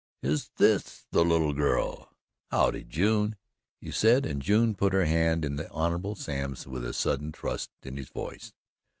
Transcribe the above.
"Is THIS the little girl? Howdye, June," he said, and June put her hand in the Hon. Sam's with a sudden trust in his voice.